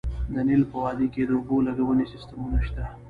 د نیل په وادۍ کې د اوبو لګونې سیستمونه شته